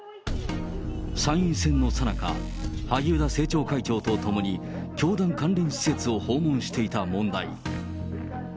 参院選のさなか、萩生田政調会長と共に、教団関連施設を訪問していた問題。